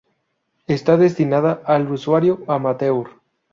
Está destinada al usuario amateur.